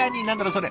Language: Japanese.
それ。